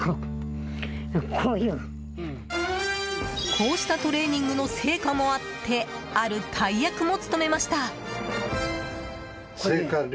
こうしたトレーニングの成果もあってある大役も務めました。